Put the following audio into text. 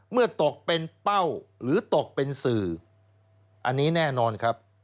เมื่อตกเป็นเป้าหรือตกเป็นสื่ออันนี้แน่นอนครับ